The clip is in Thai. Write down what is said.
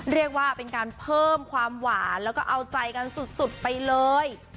เรียกว่าเป็นการเพิ่มความหวานแล้วก็เอาใจกันสุดไปเลย